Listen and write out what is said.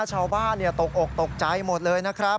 ชาวบ้านตกอกตกใจหมดเลยนะครับ